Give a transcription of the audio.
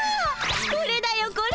これだよこれ。